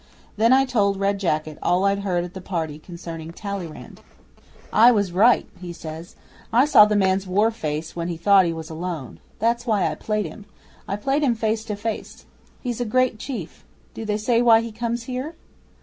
Then I told Red Jacket all I'd heard at the party concerning Talleyrand. '"I was right," he says. "I saw the man's war face when he thought he was alone. That's why I played him. I played him face to face. He's a great chief. Do they say why he comes here?"